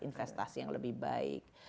investasi yang lebih baik